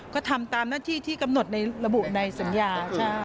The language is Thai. ก็ทำตามหน้าที่ที่กำหนดในระบุในสัญญา